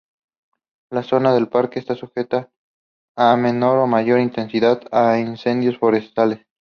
La zona del parque está sujeta, con menor o mayor intensidad, a incendios forestales.